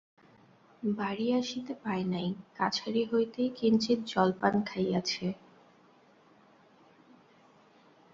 বাড়ি আসিতে পায় নাই, কাছারি হইতেই কিঞ্চিৎ জলপান খাইয়াছে।